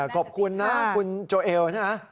ขอบคุณนะคุณโจเอลใช่ไหม